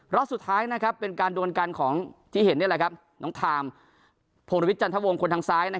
ล็อตสุดท้ายเป็นการด่วนกันทางน้องทามโพกรวิทจันทะวงคนทางซ้าย